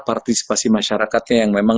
partisipasi masyarakatnya yang memang